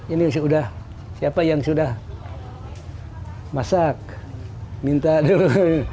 ini sudah siapa yang sudah masak minta dulu